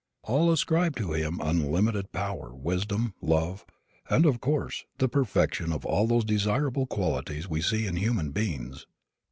All ascribe to him unlimited power, wisdom, love and, of course, the perfection of all those desirable qualities we see in human beings.